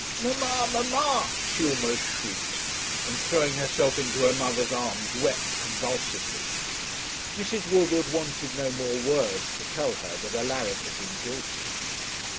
'Mamma, mamma!' she almost shrieked, and throwing herself into her mother's arms wept convulsively. Mrs. Woodward wanted no more words to tell her that Alaric had been guilty.